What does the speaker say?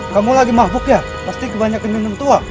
kamu lagi mabuk ya pasti banyak penyembun tua